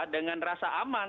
dengan rasa aman